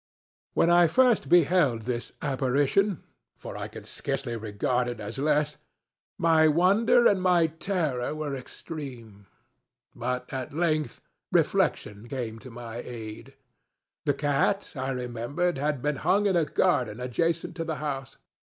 When I first beheld this apparitionŌĆöfor I could scarcely regard it as lessŌĆömy wonder and my terror were extreme. But at length reflection came to my aid. The cat, I remembered, had been hung in a garden adjacent to the house.